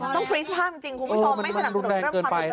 ต้องคริ๊กผ้าจริงคุณพี่โฟมะให้สนับสนุนเริ่มความอุดแรงนะ